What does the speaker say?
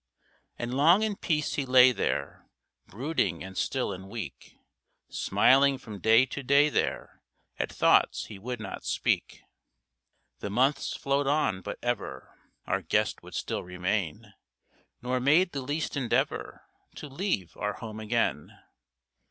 And long in peace he lay there, Brooding and still and weak, Smiling from day to day there At thoughts he would not speak. The months flowed on, but ever Our guest would still remain, Nor made the least endeavour To leave our home again.